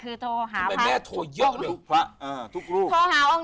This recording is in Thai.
คือโทรหาพระอาจารย์